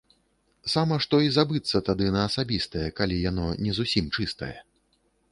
Сама што і забыцца тады на асабістае, калі яно не зусім чыстае!